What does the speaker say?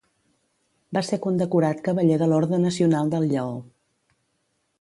Va ser condecorat Cavaller de l'Orde Nacional del Lleó.